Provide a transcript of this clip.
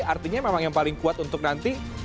artinya memang yang paling kuat untuk nanti